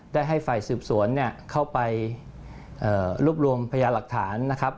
ได้ให้ฝ่ายสืบสวนเนี่ยเข้าไปรวบรวมพยาหลักฐานนะครับ